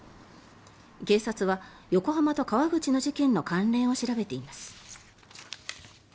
警察は、横浜と川口の事件の関連を調べています。